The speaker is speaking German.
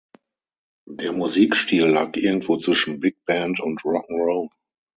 Der Musikstil lag irgendwo zwischen Big Band und Rock ’n’ Roll.